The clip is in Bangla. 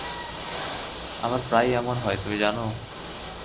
আমার প্রায়ই এমন হয় তুমি জানো।